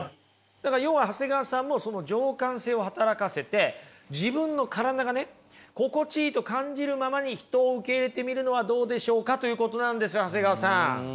だから要は長谷川さんもその情感性を働かせて自分の体がね心地いいと感じるままに人を受け入れてみるのはどうでしょうかということなんです長谷川さん。